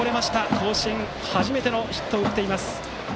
甲子園、初めてのヒットを打っています。